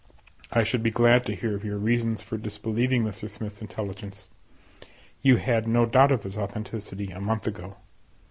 I should be glad to hear your reasons for disbelieving Mr. Smith's intelligence; you had no doubt of its authenticity a month ago.